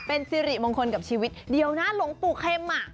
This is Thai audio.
เป็นสิริมงคลกับชีวิตเดียวนะหลวงปู่เข็มอ่ะ